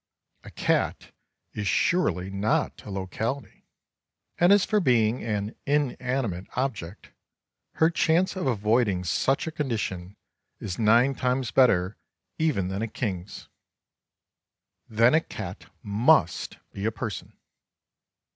A cat is surely not a locality, and as for being an inanimate object, her chance of avoiding such a condition is nine times better even than a king's. Then a cat must be a person.